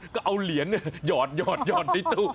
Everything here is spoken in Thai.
ก็เอาเหรียญหยอดในตู้